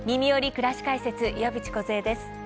くらし解説」岩渕梢です。